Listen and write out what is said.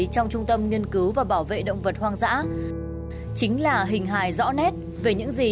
có những con không còn lành lặng